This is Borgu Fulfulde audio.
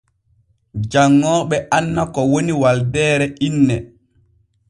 Janŋooɓe anna ko woni waldeere inne.